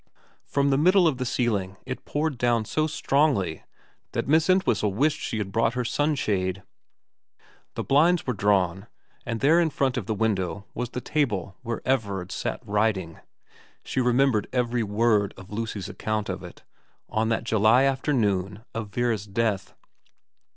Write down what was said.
From the middle of the ceiling it poured down so strongly that Miss Entwhistle wished she had brought her sun shade. The blinds were drawn, and there in front of the window was the table where Everard had sat writing she remembered every word of Lucy's account of it on that July afternoon of Vera's death.